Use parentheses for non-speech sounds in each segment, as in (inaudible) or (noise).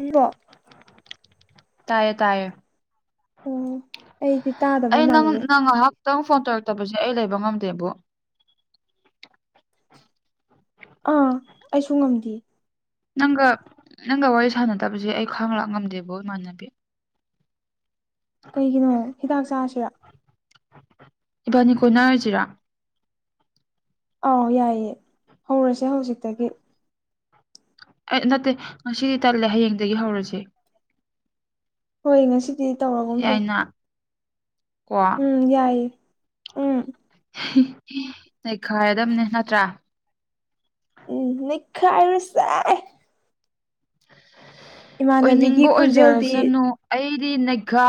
ꯑꯜꯂ ꯇꯥꯏꯌꯦ ꯇꯥꯏꯌꯦ ꯑꯣ ꯑꯩꯗꯤ ꯇꯥꯗꯕ ꯑꯩ ꯅꯪ ꯃꯥꯜꯂꯨꯔꯦ ꯅꯪ ꯉꯥꯏꯍꯥꯛ ꯈꯤꯇꯪ ꯐꯣꯟ ꯇꯧꯔꯛꯇꯕꯁꯦ ꯑꯩ ꯂꯩꯕ ꯉꯝꯗꯦꯕꯨ ꯑꯥ ꯑꯩꯁꯨ ꯉꯝꯗꯦ ꯅꯪꯒ ꯅꯪꯒ ꯋꯥꯔꯤ ꯁꯥꯟꯅꯗꯕꯁꯦ ꯑꯩ ꯈ꯭ꯋꯥꯡ ꯂꯥꯛ ꯉꯝꯗꯦꯕꯣ ꯏꯃꯥꯟꯅꯕꯤ ꯀꯩꯒꯤꯅꯣ ꯍꯤꯗꯥꯛ ꯆꯥꯁꯤꯔꯥ ꯏꯕꯥꯅꯤꯈꯣꯏꯅꯔꯁꯤꯔꯥ ꯑꯥꯎ ꯌꯥꯏꯌꯦꯦ ꯍꯧꯔꯁꯦ ꯍꯧꯖꯤꯛꯇꯒꯤ ꯑꯩ ꯅꯠꯇꯦ ꯉꯁꯤꯗꯤ ꯇꯜꯂꯦ ꯍꯌꯦꯡꯗꯒꯤ ꯍꯧꯔꯁꯦ ꯍꯣꯏ ꯉꯁꯤꯗꯤ ꯇꯧꯔꯒꯨꯝꯁꯦ ꯌꯥꯏꯅ ꯀꯣ ꯎꯝ ꯌꯥꯏꯌꯦꯦ ꯎꯝ ꯂꯩꯩꯈꯥꯏꯔꯗꯕꯅꯦ ꯅꯠꯇ꯭ꯔꯥ ꯎꯝ ꯃꯤꯈꯥꯏ ꯆꯥꯏ ꯏꯃꯥꯟꯅꯕꯤꯒꯤ ꯑꯣꯏꯅꯤꯡꯕ ꯈꯣꯟꯖꯦꯜꯗꯤ ꯑꯣꯏꯖꯔꯁꯅꯨ ꯑꯩꯗꯤ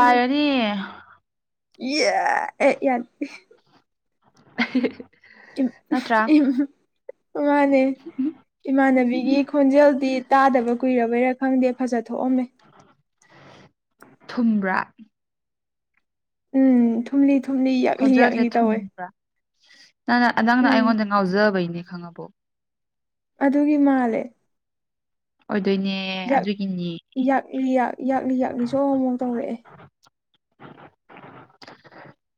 ꯎꯝ ꯌꯥ ꯌꯥ (inaudible) ꯅꯠꯇ꯭ꯔꯥ ꯃꯃꯥꯅꯦ ꯏꯃꯥꯟꯅꯕꯤꯒꯤ ꯈꯣꯟꯖꯦꯜꯗꯤ ꯇꯥꯗꯕ ꯀꯨꯏꯔꯕꯩꯔꯥ ꯈꯪꯗꯦ ꯐꯖ ꯊꯣꯛꯑꯝꯃꯦ ꯊꯨꯝꯕ꯭ꯔꯥ ꯎꯝ ꯊꯨꯝꯂꯤ ꯊꯨꯝꯂꯤ ꯌꯥꯛꯅꯤ ꯌꯥꯛꯅꯤ ꯇꯧꯋꯦ ꯅ ꯅ ꯅꯗꯪꯅ ꯎꯝ ꯑꯩꯉꯣꯟꯗ ꯉꯥꯎꯖꯕꯩꯅꯦ ꯈꯪꯉꯕꯣ ꯑꯗꯨꯒꯤ ꯃꯥꯜꯂꯦ ꯑꯗꯨꯏꯅꯦ ꯌꯥꯛ ꯑꯗꯨꯒꯤꯅꯤ ꯌꯥꯛꯂꯤ ꯌꯥꯛ ꯌꯥꯛꯂꯤ ꯌꯥꯛꯂꯤꯁꯨ ꯑꯃꯨꯛ ꯇꯧꯔꯛꯑꯦ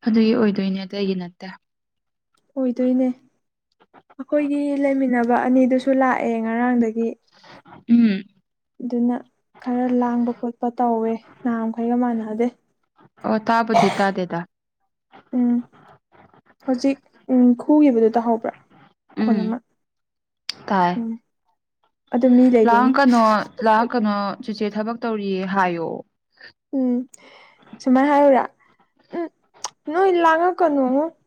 ꯑꯗꯨꯒꯤ ꯑꯣꯏꯗꯣꯏꯅꯦ ꯑꯗꯨꯇꯩꯒꯤ ꯅꯠꯇꯦ ꯑꯣꯏꯗꯣꯏꯅꯦ ꯑꯩꯈꯣꯏꯒꯤ ꯂꯩꯃꯤꯟꯅꯕ ꯑꯅꯤꯗꯨꯁꯨ ꯂꯥꯛꯑꯦ ꯉꯔꯥꯡꯗꯒꯤ ꯎꯝ ꯑꯗꯨꯅ ꯈꯔ ꯂꯥꯡꯕ ꯈꯣꯠꯄ ꯇꯧꯋꯦ ꯅꯍꯥꯃꯈꯩꯒ ꯃꯥꯟꯅꯗꯦ ꯑꯣ ꯊꯥꯕꯗꯤ ꯇꯥꯗꯦꯗ ꯎꯝ ꯍꯧꯖꯤꯛ ꯈꯨꯈꯤꯕꯗꯨ ꯇꯥꯍꯧꯕ꯭ꯔꯥ ꯈꯨꯣꯟ ꯑꯃ ꯀꯥꯏ ꯎꯝ ꯑꯗꯨ ꯃꯤ ꯂꯥꯛ ꯂꯩꯕꯩꯅꯦ ꯀꯩꯅꯣ ꯂꯥꯛ ꯀꯩꯅꯣ ꯆꯨꯆꯦ ꯊꯕꯛ ꯇꯧꯔꯤꯌꯦ ꯍꯥꯏꯌꯣ ꯎꯝ ꯁꯨꯃꯥꯏ ꯍꯥꯏꯔꯎꯨꯔꯥ ꯎꯝ ꯅꯣꯏ ꯂꯥꯡꯉꯛꯀꯅꯨ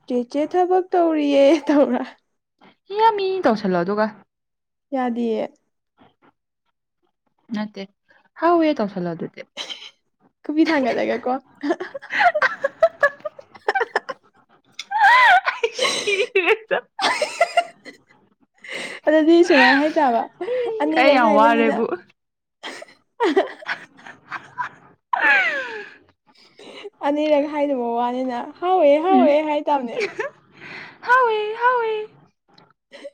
ꯆꯦ ꯆꯦ ꯊꯕꯛ ꯇꯧꯔꯤꯌꯦ ꯇꯧꯔ ꯏ ꯌꯥꯝ ꯃꯤ ꯇꯧꯁꯜꯂꯣ ꯑꯗꯨꯒ ꯌꯥꯗꯌꯦ ꯅꯠꯇꯦ ꯍꯥꯎ ꯌꯦ ꯇ ꯀꯕꯨ ꯊꯥꯡꯒꯥ ꯂꯩꯒꯦ ꯀꯣ (unintelligible) ꯁꯤꯠꯇ ꯑꯗꯨꯗꯤ ꯁꯨꯃꯥꯏꯅ ꯍꯥꯏꯇꯥꯕ ꯑꯅꯤꯔ ꯑꯩ ꯌꯥꯝ ꯍꯥꯏꯕꯅꯤꯅ ꯑ ꯎ ꯑꯅꯤꯔꯛ ꯍꯥꯏꯗꯕ ꯋꯥꯅꯤꯅ ꯍꯥꯎꯋꯦ ꯎꯝ ꯍꯥꯎꯋꯦ ꯍꯥꯏ ꯇꯥꯕꯅꯦ ꯍꯥꯎꯋꯦ ꯍꯥꯎꯋꯦ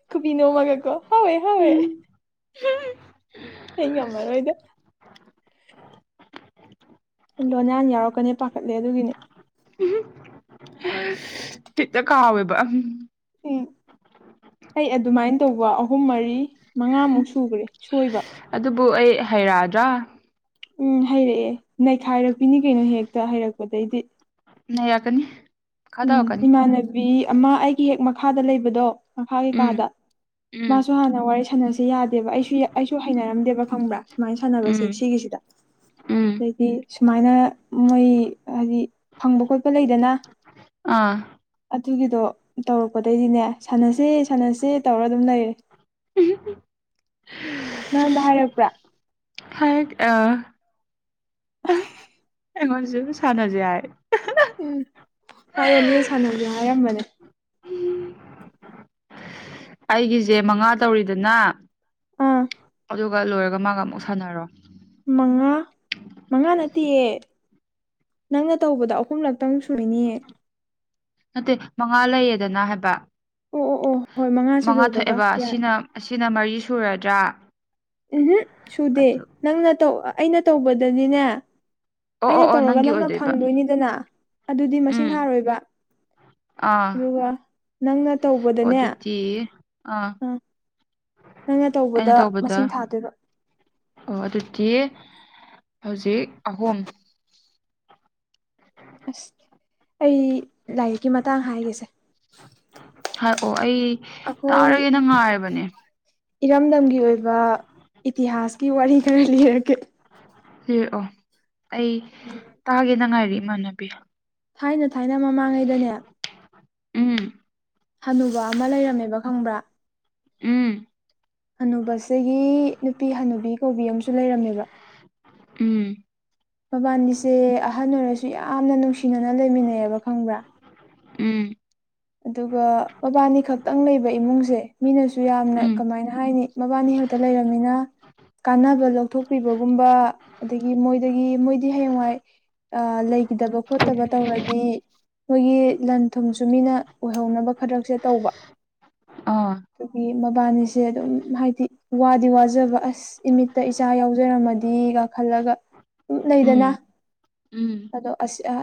ꯀꯨꯄꯤ ꯏꯅꯣ ꯃꯥꯒ ꯀꯣ ꯍꯋꯥ ꯍꯋꯣꯏ ꯎꯝ ꯑꯩ ꯉꯝꯃꯔꯣꯏꯗ ꯂꯣꯅꯥꯌꯥꯟ ꯌꯥꯎꯔꯛꯀꯅꯤ ꯄꯥꯈꯠꯂꯦ ꯑꯗꯨꯒꯤꯅꯤ ꯈꯤꯠꯇ ꯀꯥꯎꯋꯦꯕ ꯎ ꯎꯝ ꯑꯩ ꯑꯗꯨꯃꯥꯏꯅ ꯇꯧꯕ ꯑꯍꯨꯝ ꯃꯔꯤ ꯔꯤ ꯃꯉꯥꯃꯨꯛ ꯁꯨꯈ꯭ꯔꯦ ꯁꯣꯏꯕ ꯍꯩ ꯔꯥꯗ꯭ꯔ ꯎꯝ ꯍꯩꯔꯛꯑꯦ ꯅꯩꯈꯥꯏꯔꯛꯄꯤꯅꯤ ꯀꯩꯅꯣ ꯍꯦꯛꯇ ꯍꯩꯔꯛꯄꯗꯒꯤꯩꯗꯤ ꯅ ꯌꯥꯀꯅꯤ ꯎꯝ ꯏꯃꯥꯟꯅꯕꯤ ꯑꯃ ꯑꯩꯒꯤ ꯍꯦꯛ ꯃꯈꯥꯗ ꯂꯩꯕꯗꯣ ꯃꯈꯥ ꯎꯝ ꯀꯩꯀꯥꯗ ꯎꯝ ꯃꯥꯁꯨ ꯍꯥꯟꯅ ꯋꯥꯔꯤ ꯁꯥꯟꯅꯁꯤ ꯌꯥꯗꯦꯕ ꯑꯩꯁꯨ ꯑꯩꯁꯨ ꯍꯩꯅꯔꯝꯗꯦꯕ ꯈꯪꯕ꯭ꯔꯥ ꯁꯨꯃꯥꯏꯅ ꯁꯥꯟꯅꯕꯁꯦ ꯎꯝ ꯁꯤꯒꯤꯁꯤꯗ ꯎꯝ ꯑꯗꯩꯗꯤ ꯁꯨꯃꯥꯏꯅ ꯃꯣꯏ ꯍꯥꯏꯗꯤ ꯐꯪꯕ ꯈꯣꯠꯄ ꯂꯩꯗꯅ ꯑꯥ ꯑꯗꯨꯒꯤꯗꯣ ꯇꯧꯔꯛꯄꯗꯩꯗꯤꯅꯦ ꯁꯥꯟꯅꯁꯦ ꯁꯥꯟꯅꯁꯦ ꯇꯧꯔ ꯑꯗꯨꯝ ꯂꯩꯔꯦ ꯅꯪꯗ ꯍꯥꯏꯔꯛꯄ꯭ꯔꯥ ꯍꯥꯏ ꯑ ꯑꯩꯉꯣꯟꯁꯨ ꯑꯗꯨꯝ ꯁꯥꯟꯅꯁꯦ ꯍꯥꯏ ꯎꯝ ꯃꯥ ꯑꯩꯉꯣꯟꯗꯁꯨ ꯁꯥꯟꯅꯁꯦ ꯍꯥꯏꯔꯝꯕꯅꯦ ꯑꯩꯒꯤꯁꯦ ꯃꯉꯥ ꯇꯧꯔꯤꯗꯅ ꯑꯥ ꯑꯗꯨꯒ ꯂꯣꯏꯔꯒ ꯃꯥꯒ ꯑꯃꯨꯛ ꯁꯥꯟꯅꯔꯣ ꯃꯉꯥ ꯃꯉꯥ ꯅꯠꯇꯦꯌꯦ ꯅꯪꯅ ꯇꯧꯕꯗ ꯑꯍꯨꯝꯂꯛꯇꯪ ꯁꯨꯅꯤꯌꯦ ꯅꯠꯇꯦ ꯃꯉꯥ ꯂꯩꯌꯦꯗꯅ ꯍꯥꯏꯕ ꯑꯣ ꯑꯣ ꯑꯣ ꯍꯣꯏ ꯃꯉꯥꯁꯤ ꯃꯉꯥ ꯂꯣꯏꯕꯒ ꯊꯣꯛꯑꯦꯕ ꯌꯥꯏ ꯁꯤꯅ ꯁꯤꯅ ꯃꯔꯤ ꯁꯨꯔꯗ꯭ꯔꯥ ꯎꯝ ꯁꯨꯗꯦ ꯑꯗꯨ ꯅꯪꯅꯧ ꯑꯩꯅ ꯇꯧꯕꯗꯅꯤꯅꯦ ꯑꯣ ꯑꯣ ꯑꯩꯅ ꯑꯣ ꯇꯧꯔꯒ ꯅꯪꯒꯤ ꯅꯪꯅ ꯑꯣꯏꯗꯣꯏꯕ ꯐꯪꯗꯣꯏꯅꯤꯗꯅ ꯑꯗꯨꯗꯤ ꯃꯁꯤꯡ ꯎꯝ ꯍꯥꯔꯣꯏꯕ ꯑꯥ ꯑꯗꯨꯒ ꯅꯪꯅ ꯑꯣ ꯇꯧꯕꯗꯅꯦ ꯑꯗꯨꯗꯤ ꯑꯥ ꯅꯪꯅ ꯇꯧꯕꯗ ꯃꯁꯤꯡ ꯊꯥꯗꯣꯏꯕ ꯑꯣ ꯑꯗꯨꯗꯤ ꯍꯧꯖꯤꯛ ꯑꯍꯨꯝ ꯑꯁ ꯑꯩ ꯂꯥꯏꯔꯤꯛꯀꯤ ꯃꯇꯥꯡ ꯍꯥꯏꯒꯁꯦ ꯍꯥꯏ ꯑꯣ ꯑꯩ ꯇꯥꯔꯒꯦꯅ ꯉꯥꯏꯔꯕꯅꯦ ꯏꯔꯝꯗꯝꯒꯤ ꯑꯣꯏꯕ ꯏꯇꯤꯍꯥꯁꯀꯤ ꯋꯥꯔꯤ ꯈꯔ ꯂꯤꯔꯒꯦ ꯂꯩ ꯑꯣ ꯑꯩ ꯎꯝ ꯇꯥꯒꯦꯅ ꯉꯥꯏꯔ ꯏꯃꯥꯟꯅꯕꯤ ꯊꯥꯏꯅ ꯊꯥꯏꯅ ꯃꯃꯥꯡꯉꯩꯗꯅꯦ ꯎꯝ ꯍꯅꯨꯕ ꯑꯃ ꯂꯩꯔꯝꯃꯦꯕ ꯈꯪꯕ꯭ꯔꯥ ꯎꯝ ꯑꯅꯨꯕꯁꯤꯒꯤ ꯅꯨꯄꯤ ꯍꯅꯨꯕꯤ ꯀꯧꯕꯤ ꯑꯃꯁꯨ ꯂꯩꯔꯝꯃꯦꯕ ꯎꯝ ꯃꯕꯥꯅꯤꯁꯦ ꯑꯍꯟ ꯑꯣꯏꯔꯁꯨ ꯌꯥꯝꯅ ꯅꯨꯡꯁꯤꯅꯅ ꯂꯩꯃꯤꯟꯅꯩꯌꯦꯕ ꯈꯪꯕ꯭ꯔꯥ ꯎꯝ ꯑꯗꯨꯒ ꯃꯕꯥꯅꯤ ꯈꯛꯇꯪ ꯂꯩꯕ ꯏꯃꯨꯡꯁꯦ ꯃꯤꯅꯁꯨ ꯌꯥꯝꯅ ꯎꯝ ꯀꯃꯥꯏꯅ ꯍꯥꯏꯅꯤ ꯃꯕꯥꯅꯤ ꯑ ꯍꯦꯛꯇ ꯂꯩꯔꯝꯃꯤꯅ ꯀꯥꯟꯅꯕ ꯂꯧꯊꯣꯛꯄꯤꯕꯒꯨꯝꯕ ꯑꯗꯒꯤ ꯃꯣꯏꯗꯒꯤ ꯃꯣꯏꯗꯤ ꯍꯌꯦꯡꯋꯥꯏ ꯂꯩ ꯏꯗꯕ ꯈꯣꯠꯇꯕ ꯇꯧꯔꯗꯤ ꯃꯣꯏꯒꯤ ꯂꯟ ꯊꯨꯝꯁꯨ ꯃꯤꯅ ꯑꯣꯏꯍꯧꯅꯕ ꯈꯔꯛꯁꯦ ꯇꯧꯕ ꯑꯥ ꯑꯗꯨꯒꯤ ꯃꯕꯥꯅꯤꯁꯦ ꯑꯗꯨꯝ ꯍꯥꯏꯗꯤ ꯋꯥꯗꯤ ꯋꯥꯖꯕ ꯑꯁ ꯏꯃꯤꯠꯇ ꯏꯆꯥ ꯌꯥꯎꯖꯔꯝꯃꯗꯤ ꯈꯜꯂꯒ ꯁꯨꯝ ꯂꯩꯗꯅ ꯎꯝ ꯎꯝ ꯑꯗꯣ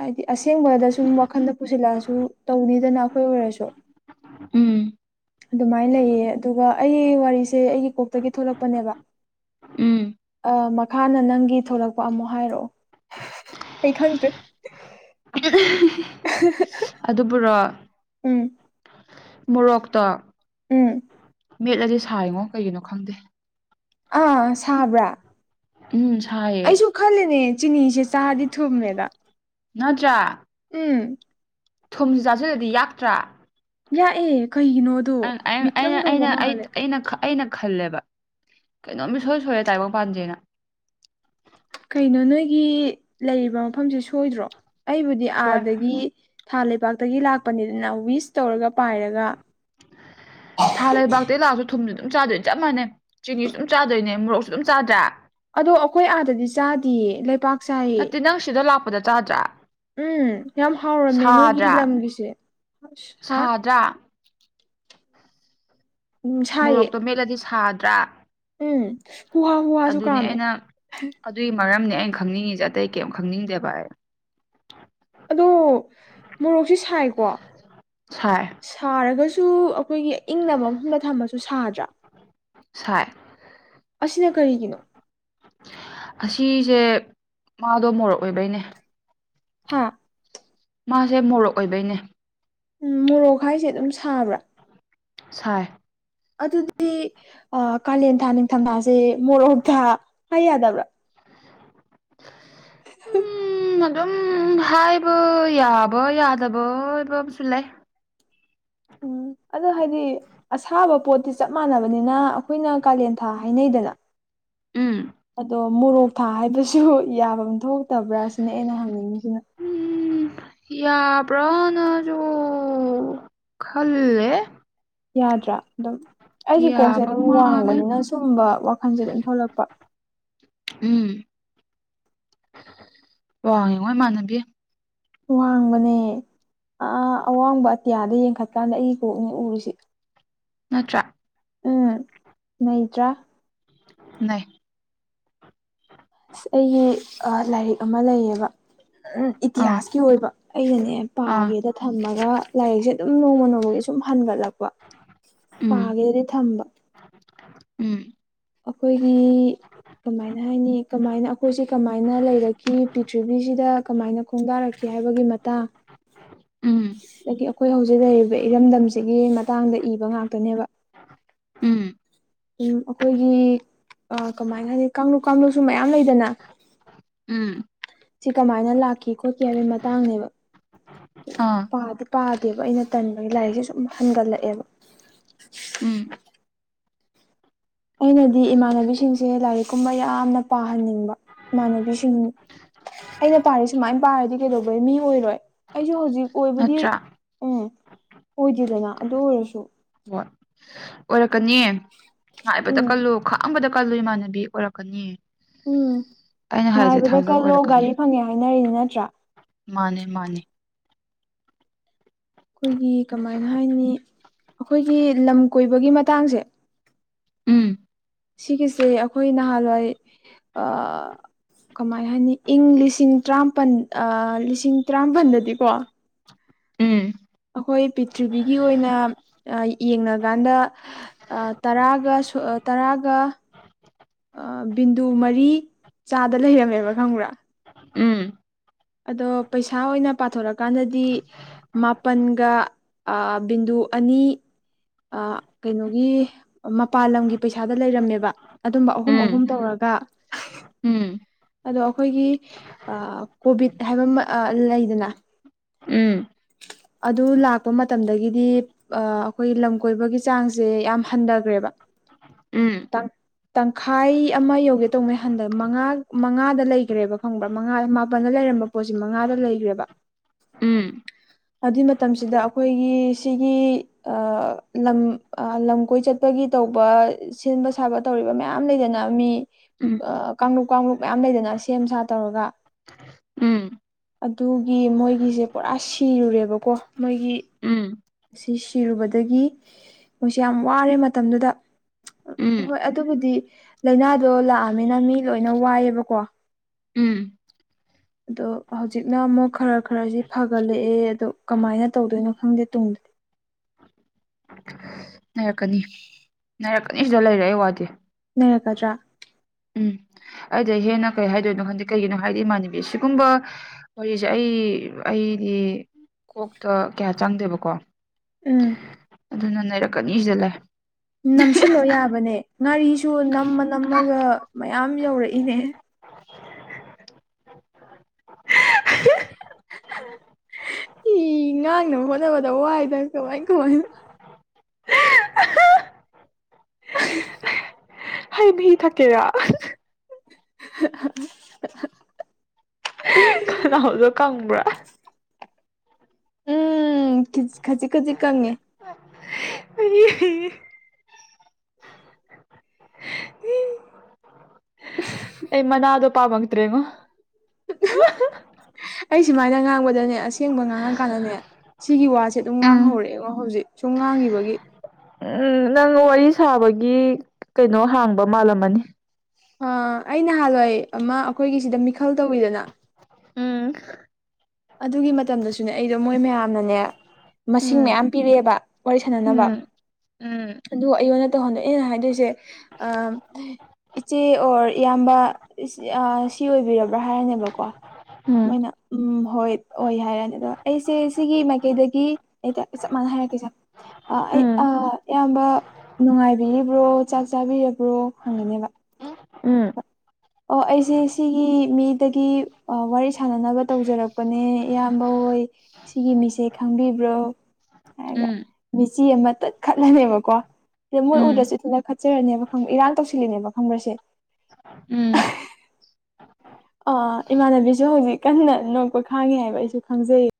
ꯍꯥꯏꯗꯤ ꯑꯁꯦꯡꯕꯗ ꯁꯨꯝ ꯋꯥꯈꯟꯗ ꯄꯨꯁꯤꯜꯂꯛꯑꯁꯨ ꯇꯧꯅꯤꯗꯅ ꯍꯈꯣꯏ ꯑꯣꯏꯔꯁꯨ ꯎꯝ ꯑꯗꯨꯃꯥꯏꯅ ꯂꯩꯌꯦ ꯑꯗꯨꯒ ꯑꯩ ꯋꯥꯔꯤꯁꯦ ꯑꯩꯒꯤ ꯀꯣꯛꯇꯒꯤ ꯊꯣꯛꯂꯛꯄꯅꯦꯕ ꯎꯝ ꯃꯈꯥꯅ ꯅꯪꯒꯤ ꯊꯂꯛꯄ ꯑꯃꯨꯛ ꯍꯥꯏꯔꯛꯑꯣ ꯑꯩ ꯈꯥꯡ ꯇ ꯑꯗꯨꯕꯨꯔꯣ ꯎꯝ ꯃꯣꯔꯣꯛꯇ ꯎꯝ ꯃꯦꯠꯂꯗꯤ ꯁꯥꯔꯤꯉꯣ ꯀꯩꯒꯤꯅꯣ ꯈꯪꯗꯦ ꯑꯥ ꯁꯥꯕ꯭ꯔꯥ ꯎꯝ ꯁꯥꯏꯌꯦ ꯑꯩꯁꯨ ꯈꯂꯦꯅꯦ ꯆꯤꯅꯤꯁꯦ ꯆꯥꯗꯤ ꯊꯨꯝꯃꯦꯗ ꯅꯠꯇ꯭ꯔꯥ ꯎꯝ ꯊꯨꯝꯁꯨ ꯆꯥꯁꯤꯗꯗꯤ ꯌꯥꯛꯇ꯭ꯔꯥ ꯌꯥ ꯌꯦꯠ ꯑꯩꯅ ꯑꯩꯅ ꯑꯩꯅ ꯑꯩꯅ ꯈꯜꯂꯦꯕ ꯀꯩꯅꯣꯝ ꯃꯤꯁꯣꯏ ꯁꯣꯏꯔꯦ ꯇꯥꯏꯕꯪꯄꯥꯟꯁꯦꯅ ꯀꯩꯅꯣ ꯅꯣꯏꯒꯤ ꯂꯩꯔꯤꯕ ꯃꯐꯝꯁꯦ ꯁꯣꯏꯗ꯭ꯔꯣ ꯑꯩꯕꯨꯗꯤ ꯁꯣꯏ ꯑꯥꯗꯒꯤ ꯊꯥꯕꯥꯛꯇꯒꯤ ꯂꯥꯛꯄꯅꯤꯗꯅ ꯋꯤꯁ ꯇꯧꯔꯒ ꯄꯥꯏꯔꯒ ꯊꯥ ꯂꯩꯕꯥꯛꯇ ꯂꯥꯛꯑꯁꯨ ꯊꯨꯝꯅꯤ ꯑꯗꯨꯝ ꯆꯥꯗꯣꯏꯅꯦ ꯆꯞ ꯃꯥꯟꯅꯩ ꯆꯤꯅꯤꯁꯨ ꯑꯗꯨꯝ ꯆꯥꯗꯣꯏꯅꯦ ꯃꯣꯔꯣꯛꯁꯨ ꯑꯗꯨꯝ ꯆꯥꯗ꯭ꯔꯦ ꯑꯗꯣ ꯑꯩꯈꯣꯏ ꯑꯥꯗꯗꯤ ꯆꯥꯗꯌꯦ ꯂꯩꯄꯥꯛꯥꯛ ꯆꯥꯏꯌꯦ ꯍꯗ ꯆꯥꯗ꯭ꯔꯥ ꯎꯝ ꯌꯥꯝ ꯍꯥꯎꯔꯝꯃꯦ ꯅꯣꯏꯒꯤ ꯁꯥꯗ꯭ꯔꯥ ꯂꯝꯒꯤꯁꯦ ꯑꯁ ꯍꯥ ꯁꯥꯗ꯭ꯔꯥ ꯎꯝ ꯁꯥꯏꯌꯦ ꯃꯣꯔꯣꯛꯇꯣ ꯃꯦꯠꯂꯗꯤ ꯁꯥꯗ꯭ꯔꯥ ꯎꯝ ꯍꯨꯍ ꯍꯨꯍꯁꯨ ꯀꯥꯝꯃꯦ ꯃꯔꯝꯗꯤ ꯑꯩꯅ ꯈꯪꯅꯤꯡꯉꯤꯁꯦ ꯑꯇꯩ ꯀꯔꯤꯝ ꯈꯪꯅꯤꯡꯗꯦꯕ ꯑꯩ ꯑꯗꯣ ꯃꯣꯔꯣꯛꯁꯦ ꯁꯥꯏꯀꯣ ꯁꯥꯏ ꯁꯥꯔꯒꯁꯨ ꯑꯩꯈꯣꯏꯒꯤ ꯏꯪꯅꯕ ꯃꯐꯝꯗ ꯊꯝꯃꯁꯨ ꯁꯥꯗ꯭ꯔꯥ ꯁꯥꯏ ꯑꯁꯤꯅ ꯀꯔꯤꯒꯤꯅꯣ ꯑꯁꯤꯁꯦ ꯃꯥꯗꯣ ꯃꯣꯔꯣꯛꯑꯣꯏꯕꯩꯅꯦ ꯍꯥꯥ ꯃꯥꯁꯦ ꯃꯣꯔꯣꯛ ꯑꯣꯏꯕꯩꯅꯦ ꯎꯝ ꯃꯣꯔꯣꯛ ꯈꯥꯏꯁꯦ ꯑꯗꯨꯝ ꯁꯥꯕ꯭ꯔꯥ ꯁ ꯑꯗꯨꯗꯤ ꯀꯥꯂꯦꯟ ꯊꯥ ꯅꯤꯡꯊꯝꯊꯥꯁꯦ ꯃꯣꯔꯣꯝꯊꯥ ꯍꯥꯏ ꯌꯥꯗꯕ꯭ꯔꯥ (unintelligible) ꯎꯝ ꯑꯗꯨꯝ ꯍꯥꯏꯕ ꯌꯥꯕꯥ ꯌꯥꯗꯕꯥ (inaudible) ꯑꯝꯁꯨ ꯂꯩ꯫ ꯎꯝ꯫ ꯑꯗꯣ ꯍꯥꯏꯗꯤ ꯑꯁꯥꯕ ꯄꯣꯠꯇꯤ ꯆꯞ ꯃꯥꯟꯅꯕꯅꯤꯅ ꯑꯩꯈꯣꯏꯅ ꯀꯥꯂꯦꯟ ꯊꯥ ꯍꯥꯏꯅꯩꯗꯅ꯫ ꯎꯝ ꯑꯗꯣ ꯃꯣꯔꯣꯛ ꯊꯥ ꯍꯥꯏꯕꯁꯨ ꯌꯥꯐꯝ ꯊꯣꯛꯇꯕ꯭ꯔꯥ ꯁꯤꯅꯦ ꯑꯩꯅ ꯍꯪꯅꯤꯡꯉꯤꯁꯤꯅ ꯌꯥꯕ꯭ꯔꯥꯅꯖꯨ ꯈꯜꯂꯦ꯫ ꯌꯥꯗ꯭ꯔꯥ ꯑꯗꯨꯝ꯫ ꯑꯩꯒꯤ ꯀꯣꯛꯁꯦ ꯌꯥꯕ ꯑꯗꯨꯝ ꯃꯥꯜꯂꯦ ꯋꯥꯡꯕꯅꯤꯅ ꯁꯨꯝꯕ ꯋꯥꯈꯟꯁꯦ ꯑꯗꯨꯝ ꯊꯣꯛꯂꯛꯄ꯫ ꯎꯝ (inaudible) ꯋꯥꯉꯦ ꯉꯣ ꯏꯃꯥꯟꯅꯕꯤ꯫ ꯋꯥꯡꯕꯅꯦ꯫ ꯑ ꯑꯋꯥꯡꯕ ꯑꯇꯤꯌꯥꯗ ꯌꯦꯡꯈꯠꯀꯥꯟꯗ ꯑꯩ ꯀꯣꯛꯅꯤ ꯎꯔꯤꯁꯦ꯫ ꯅꯠꯇ꯭ꯔ꯫ ꯇ꯭ꯔꯥ꯫ ꯅꯩ꯫ ꯁꯤꯖ ꯑꯩꯒꯤ ꯂꯥꯏꯔꯤꯛ ꯑꯃ ꯂꯩꯌꯦꯕ꯫ ꯎꯝ ꯑꯥ ꯏꯇꯤꯍꯥꯁꯀꯤ ꯑꯣꯏꯕ ꯑꯩꯅꯅꯦ ꯑꯥ ꯄꯥꯒꯦꯗ ꯊꯝꯃꯒ ꯂꯥꯏꯔꯤꯛꯁꯦ ꯑꯗꯨꯝ ꯅꯣꯡꯃ ꯅꯣꯡꯃꯒꯤ ꯁꯨꯝ ꯍꯟꯒꯠꯂꯛꯄ ꯎꯝ ꯄꯥꯒꯦꯗꯤ ꯊꯝꯕ꯫ ꯎꯝ꯫ ꯑꯈꯣꯏꯒꯤ꯫ ꯀꯃꯥꯏꯅ ꯍꯥꯏꯅꯤ ꯀꯃꯥꯏꯅ ꯑꯩꯈꯣꯏꯁꯦ ꯀꯃꯥꯏꯅ ꯂꯩꯔꯛꯈꯤ ꯄ꯭ꯔꯤꯊꯤꯕꯤꯁꯤꯗ ꯀꯃꯥꯏꯅ ꯈꯣꯡꯗꯥꯔꯛꯈꯤ ꯍꯥꯏꯕꯒꯤ ꯃꯇꯥꯡ꯫ (inaudible) ꯗꯒꯤ ꯑꯈꯣꯏ ꯍꯧꯖꯤꯛ ꯂꯩꯔꯤꯕ ꯏꯔꯝꯗꯝꯁꯤꯒꯤ ꯃꯇꯥꯡꯗ ꯏꯕ ꯉꯥꯛꯇꯅꯦꯕ꯫ ꯎꯝ꯫ ꯎꯝ ꯑꯈꯣꯏꯒꯤ ꯀꯃꯥꯏꯅ ꯍꯥꯏꯗꯤ ꯀꯥꯡꯂꯨꯞ ꯀꯥꯡꯂꯨꯞꯁꯨ ꯃꯌꯥꯝ ꯂꯩꯗꯅ꯫ ꯎꯝ꯫ ꯁꯤ ꯀꯃꯥꯏꯅ ꯂꯥꯛꯈꯤ ꯈꯣꯠꯈꯤ ꯍꯥꯏꯕꯒꯤ ꯃꯇꯥꯡꯅꯦꯕ꯫ ꯑꯥ ꯇꯦꯕ ꯑꯩꯅ ꯇꯟꯕꯒꯤ ꯂꯥꯏꯔꯤꯛꯁꯦ ꯁꯨꯝ ꯍꯟꯒꯠꯂꯛꯑꯦꯕ꯫ ꯎꯝ ꯑꯩꯅꯗꯤ ꯏꯃꯥꯟꯅꯕꯤꯁꯤꯡꯁꯦ ꯂꯥꯏꯔꯤꯛ ꯀꯨꯝꯕ ꯌꯥꯝꯅ ꯄꯥꯍꯟꯅꯤꯡꯕ ꯏꯃꯥꯟꯅꯕꯤꯁꯤꯡ꯫ ꯑꯩꯅ ꯄꯥꯔꯤ ꯁꯨꯃꯥꯏꯅ ꯄꯥꯔꯗꯤ ꯀꯩꯗꯧꯕꯩ ꯃꯤ ꯑꯣꯏꯔꯣꯏ ꯑꯩꯁꯨ ꯍꯧꯖꯤꯛ ꯑꯣꯏꯕꯗꯤ ꯅꯠꯇ꯭ꯔꯥ ꯎꯝ ꯑꯣꯏꯗꯦꯗꯅ ꯑꯗꯨ ꯑꯣꯏꯔꯁꯨ꯫ ꯍꯣꯏ ꯑꯣꯏꯔꯛꯀꯅꯤ ꯉꯥꯢꯕꯗ ꯎꯝ ꯀꯜꯂꯨ ꯈꯥꯡꯕꯗ ꯀꯜꯂꯨ ꯏꯃꯥꯟꯅꯕꯤ ꯑꯣꯏꯔꯛꯀꯅꯤ꯫ ꯎꯝ ꯑꯩꯅ ꯍꯥꯏꯁꯦ ꯉꯥꯏꯕꯗ ꯊꯥꯖꯕ ꯀꯜꯂꯣ ꯑꯣꯏꯔꯛꯀꯅꯤ ꯒꯥꯔꯤ ꯐꯪꯉꯦ ꯍꯥꯏꯅꯔꯤꯅꯤ ꯅꯠꯇ꯭ꯔꯥ꯫ ꯃꯥꯅꯦ ꯃꯥꯅꯦ꯫ ꯈꯣꯏꯒꯤ ꯀꯃꯥꯏꯅ ꯍꯥꯏꯅꯤ ꯑꯈꯣꯏꯒꯤ ꯂꯝ ꯀꯣꯏꯕꯒꯤ ꯃꯇꯥꯡꯖꯦ ꯎꯝ꯫ ꯁꯤꯒꯤꯁꯦ ꯑꯩꯈꯣꯏ ꯅꯍꯥꯟꯋꯥꯏ ꯑꯥ꯫ ꯀꯃꯥꯏ ꯍꯥꯏꯅꯤ ꯏꯪ ꯂꯤꯁꯤꯡ ꯇ꯭ꯔꯥꯝꯄꯜ ꯑ ꯂꯤꯁꯤꯡ ꯇꯔꯥꯝꯄꯜꯗꯗꯤꯀꯣ ꯎꯝ ꯑꯈꯣꯏ ꯄꯤꯊ꯭ꯔꯤꯕꯤꯒꯤ ꯑꯣꯏꯅ ꯑ ꯌꯦꯡꯅꯀꯥꯟꯗ ꯑꯥ ꯇꯔꯥꯒ ꯁꯣꯑꯥ ꯇꯔꯥꯒ ꯑ ꯕꯤꯟꯗꯨ ꯃꯔꯤ ꯆꯥꯗ ꯂꯩꯔꯝꯃꯦꯕ ꯈꯪꯕ꯭ꯔꯥ ꯎꯝ ꯑꯗꯣ ꯄꯩꯁꯥ ꯑꯣꯏꯅ ꯄꯥꯊꯣꯔꯛꯀꯥꯟꯗꯗꯤ ꯃꯥꯄꯜꯒ ꯑ ꯕꯤꯟꯗꯨ ꯑꯅꯤ ꯑ ꯀꯩꯅꯣꯒꯤ ꯃꯄꯥꯜ ꯂꯝꯒꯤ ꯄꯩꯁꯥꯗ ꯂꯩꯔꯝꯃꯦꯕ ꯑꯗꯨꯝꯕ ꯑꯍꯨꯝ ꯑꯍꯨꯝ ꯎꯝ ꯇꯧꯔ ꯀ (inaudible) ꯎꯝ꯫ ꯑꯗꯣ ꯑꯈꯣꯏꯒꯤ ꯑ ꯀꯣꯚꯤꯠ ꯍꯥꯏꯕꯃ ꯑ ꯂꯩꯗꯅ ꯎꯝ (inaudible) ꯑꯗꯨ ꯂꯥꯛꯄ ꯃꯇꯝꯗꯒꯤꯗꯤ ꯑ ꯑꯈꯣꯏ ꯂꯝ ꯀꯣꯏꯕꯒꯤ ꯆꯥꯡꯁꯦ ꯌꯥꯝ ꯍꯟꯗꯒ꯭ꯔꯦꯕ꯫ ꯎꯝ ꯎꯝ ꯇꯪ ꯇꯪꯈꯥꯏ ꯑꯃ ꯌꯧꯒꯦ ꯇꯣꯡꯅꯦ ꯍꯟꯗꯛ ꯃꯉꯥ ꯃꯉꯥꯗ ꯂꯩꯈ꯭ꯔꯦꯕ ꯈꯪꯕ꯭ꯔꯥ ꯃꯉꯥ ꯃꯥꯄꯜꯗ ꯂꯩꯔꯝꯕ ꯄꯣꯠꯁꯤ ꯃꯉꯥꯗ ꯂꯩꯈ꯭ꯔꯦꯕ ꯎꯝ (inaudible) ꯑꯗꯨꯏ ꯃꯇꯝꯁꯤꯗ ꯑꯩꯈꯣꯏꯒꯤ ꯁꯤꯒꯤ ꯂꯝ ꯂꯝ ꯀꯣꯏ ꯆꯠꯄꯒꯤ ꯇꯧꯕ ꯁꯦꯝꯕ ꯁꯥꯕ ꯇꯧꯔꯤꯕ ꯃꯌꯥꯝ ꯂꯩꯗꯅ ꯃꯤ ꯀꯥꯡꯂꯨꯞ ꯀꯥꯡꯂꯨꯞ ꯃꯌꯥꯝ ꯂꯩꯗꯅ ꯁꯦꯝ ꯁꯥ ꯇꯧꯔꯒ ꯎꯝ ꯑꯗꯨꯒꯤ ꯃꯣꯏꯒꯤꯁꯦ ꯄꯨꯔꯥ ꯁꯤꯔꯨꯔꯦꯕꯀꯣ ꯃꯣꯏꯒꯤ ꯎꯝ ꯑꯁꯤ ꯁꯤꯔꯨꯕꯗꯒꯤ ꯃꯣꯏꯁꯤ ꯌꯥꯝ ꯋꯥꯔꯦ ꯃꯇꯝꯗꯨꯗ ꯎꯝ ꯍꯣꯏ ꯑꯗꯨꯕꯨꯗꯤ ꯂꯥꯏꯅꯥꯗꯣ ꯂꯥꯛꯑꯃꯤꯅ ꯃꯤ ꯂꯣꯏꯅ ꯋꯥꯏꯑꯦꯕꯀꯣ ꯎꯝ ꯑꯗꯣ ꯍꯧꯖꯤꯛꯅ ꯑꯃꯨꯛ ꯈꯔ ꯈꯔꯁꯤ ꯐꯒꯠꯂꯛꯑꯦ ꯑꯗꯣ ꯀꯃꯥꯏꯅ ꯇꯧꯗꯣꯏꯅꯣ ꯈꯪꯗꯦ ꯇꯨꯡꯗꯗꯤ (inaudible) ꯅꯥꯔꯛꯀꯅꯤ ꯅꯥꯏꯔꯛꯀꯅꯤ ꯁꯤꯗ ꯂꯩꯔꯛ ꯑꯩ ꯋꯥꯗꯤꯦ ꯂꯩꯔꯛꯀꯗ꯭ꯔꯥ ꯑꯩꯗ ꯍꯦꯟꯅ ꯀꯩ ꯍꯥꯏꯗꯣꯏꯅꯣ ꯈꯪꯗꯤ ꯀꯩꯒꯤꯅꯣ ꯍꯥꯏꯗꯤ ꯏꯃꯥꯟꯅꯕꯤ ꯁꯤꯒꯨꯝꯕ ꯋꯥꯔꯤꯁꯦ ꯑꯩ ꯑꯩ ꯑꯩꯗꯤ ꯀꯣꯛꯇ ꯀꯌꯥ ꯆꯪꯗꯦꯕꯀꯣ ꯎꯝ ꯑꯗꯨꯅ ꯅꯔꯛꯀꯅꯤꯁ ꯂ ꯅꯝꯁꯤꯜꯂꯣ ꯌꯥꯕꯅꯦ ꯉꯥꯔꯤꯁꯨ ꯅꯝꯃ ꯅꯝꯃꯒ ꯃꯌꯥꯝ ꯌꯧꯔꯛꯏꯅꯦ (inaudible) ꯏ ꯉꯥꯡꯅꯕ ꯍꯣꯠꯅꯕꯗ ꯋꯥꯏꯗꯅ ꯀꯃꯥꯏ ꯀꯃꯥꯏꯅ (inaudible) ꯕꯤ ꯊꯥꯦꯔ (inaudible) ꯎꯗꯣ ꯀꯪꯕ꯭ꯔꯥ ꯎꯝ ꯈꯖꯤꯛ ꯈꯖꯤꯛ ꯀꯪꯉꯦ ꯑꯩ (inaudible) ꯃꯅꯥ ꯑꯗꯨꯣ ꯄꯥꯕꯪꯇ꯭ꯔꯦꯉꯣ ꯑꯩ ꯁꯨꯃꯥꯏꯅ ꯉꯥꯡꯕꯗꯅꯦ ꯑꯁꯦꯡꯕ ꯉꯥꯡꯉꯀꯥꯟꯗꯅꯦ ꯁꯤꯒꯤ ꯋꯥꯁꯦ ꯑꯗꯨꯝ ꯎꯝ ꯉꯥꯡꯍꯧꯔꯛꯑꯦꯉꯣ ꯍꯧꯖꯤꯛ ꯁꯨꯝ ꯉꯥꯡꯈꯤꯕꯒꯤ ꯎꯝ ꯅꯪ ꯋꯥꯔꯤ ꯁꯥꯕꯒꯤ ꯀꯩꯅꯣ ꯍꯥꯡꯕ ꯃꯥꯜꯂꯝꯃꯅꯤ ꯑ ꯑꯩ ꯅꯍꯥꯟꯋꯥꯏ ꯑꯃ ꯑꯩꯈꯣꯏꯒꯤꯁꯤꯗ ꯃꯤꯈꯜ ꯇꯧꯋꯤꯗꯅ ꯎꯝ ꯑꯗꯨꯒꯤ ꯃꯇꯝꯗꯁꯨꯅꯦ ꯑꯩꯗꯣ ꯃꯣꯏ ꯃꯌꯥꯝꯅꯅꯦ ꯃꯁꯤꯡ ꯎꯝ ꯃꯌꯥꯝ ꯄꯤꯔꯛꯑꯦꯕ ꯋꯥꯔꯤ ꯁꯥꯟꯅꯅꯕ ꯎꯝ ꯑꯗꯨ ꯑꯩꯉꯣꯟꯗ ꯇꯧꯍꯟꯗꯣꯛꯑꯦꯩꯅ ꯍꯥꯏꯗꯣꯏꯁꯦ ꯑ ꯏꯆꯦ ꯑꯣꯔ ꯏꯌꯥꯝꯕ ꯁꯤ ꯑꯣꯏꯕꯤꯔꯕ꯭ꯔꯥ ꯍꯥꯏꯔꯅꯦꯕꯀꯣ ꯎꯝ ꯃꯣꯏꯅ ꯎꯝ ꯍꯣꯏ ꯑꯣꯏ ꯍꯥꯏꯔꯅꯤ ꯑꯗꯣ ꯑꯩꯁꯦ ꯁꯤꯒꯤ ꯃꯥꯏꯀꯩꯗꯒꯤ ꯑꯩ ꯆꯞ ꯃꯥꯟꯅ ꯍꯥꯏꯔꯛꯀꯦꯁꯦ ꯑꯩ ꯎꯝ ꯑꯌꯥꯝꯕ ꯅꯨꯡꯉꯥꯏꯕꯤꯔꯤꯕ꯭ꯔꯣ ꯆꯥꯛ ꯆꯥꯕꯤꯔꯤꯕ꯭ꯔꯣ ꯍꯪꯒꯅꯦꯕ ꯎꯝ ꯑꯣ ꯑꯩꯁꯦ ꯁꯤꯒꯤ ꯃꯤꯗꯒꯤ ꯋꯥꯔꯤ ꯁꯥꯟꯅꯅꯕ ꯇꯧꯖꯔꯛꯄꯅꯦ ꯏꯌꯥꯝꯕ ꯍꯣꯏ ꯁꯤꯒꯤ ꯃꯤꯁꯦ ꯈꯪꯕꯤꯕ꯭ꯔꯣ ꯍꯥꯏꯒ ꯎꯝ ꯃꯦꯆꯤ ꯑꯃ ꯇꯠꯈꯠꯂꯅꯦꯕꯀꯣ ꯁꯤꯗ ꯃꯣꯏ ꯎꯝ ꯎꯗ꯭ꯔꯁꯨꯦ ꯊꯅ ꯈꯠꯆꯔꯅꯦꯕ ꯈꯪꯕ ꯏꯔꯥꯡ ꯇꯧꯁꯤꯜꯂꯤꯅꯦꯕ ꯈꯪꯕ꯭ꯔꯁꯦ ꯎꯝ ꯑ ꯏꯃꯥꯟꯅꯕꯤꯁꯨ ꯍꯧꯖꯤꯛ ꯀꯟꯅ ꯅꯣꯛꯄ ꯈꯥꯡꯉꯤ ꯍꯥꯏꯕ ꯑꯩꯁꯨ ꯈꯪꯖꯩ